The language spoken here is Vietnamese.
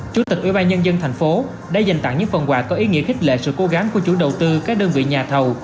chủ tịch ủy ban nhân dân thành phố đã dành tặng những phần quà có ý nghĩa khích lệ sự cố gắng của chủ đầu tư các đơn vị nhà thầu